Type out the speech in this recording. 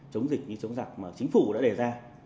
chống dịch như chống giặc mà chính phủ đã đề ra